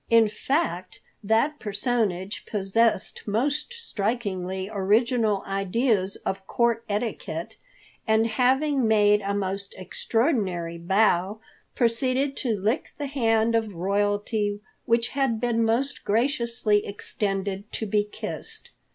In fact, that personage possessed most strikingly original ideas of court etiquette and, having made a most extraordinary bow, proceeded to lick the hand of royalty which had been most graciously extended to be kissed.